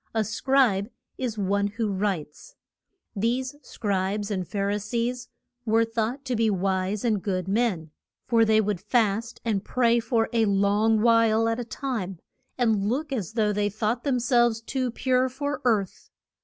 A Scribe is one who writes. These Scribes and Phar i sees were thought to be wise and good men, for they would fast and pray for a long while at a time, and look as though they thought them selves too pure for earth.